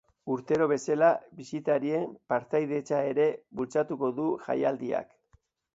Urtero bezala bisitarien partaidetza ere bultzatuko du jaialdiak.